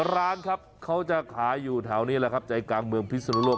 ร้านจะขาดอยู่แถวนี้ใจกลางบริษัทนรก